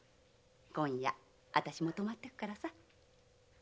今夜私も泊まっていくからさ。